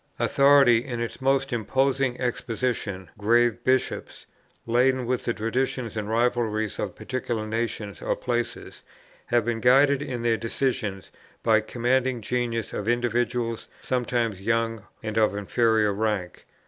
Authority in its most imposing exhibition, grave bishops, laden with the traditions and rivalries of particular nations or places, have been guided in their decisions by the commanding genius of individuals, sometimes young and of inferior rank.